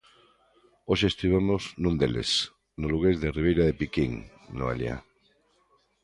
Hoxe estivemos nun deles, no lugués de Ribeira de Piquín, Noelia.